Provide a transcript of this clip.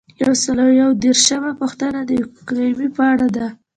یو سل او درویشتمه پوښتنه د اکرامیې په اړه ده.